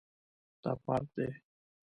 دا پارک دی